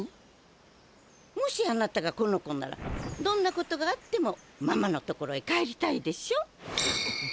もしあなたがこの子ならどんなことがあってもママのところへ帰りたいでしょ？